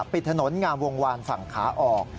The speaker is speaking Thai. ปิดถนนงามวงวานฝั่งขาออก